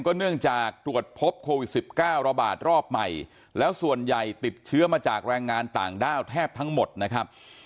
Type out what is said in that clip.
เนื่องจากตรวจพบโควิด๑๙ระบาดรอบใหม่แล้วส่วนใหญ่ติดเชื้อมาจากแรงงานต่างด้าวแทบทั้งหมดนะครับ